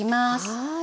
はい。